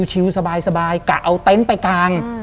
ชิวสบายกะเอาเต้นไปกลาง